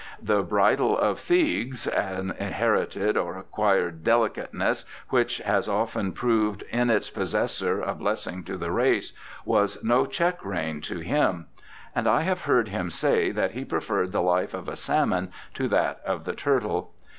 The ' bridle of Theages ', an inherited or acquired delicateness which has often proved in its possessor a blessing to the race, was no check rein to him ; and I have heard him say that he preferred the life of a salmon to that of the turtle.